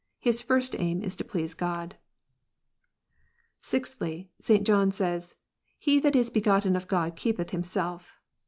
His first aim is to please God. (6) Sixthly, St. John says, "He that is begotten of God keepeth himself."